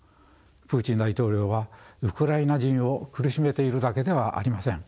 プーチン大統領はウクライナ人を苦しめているだけではありません。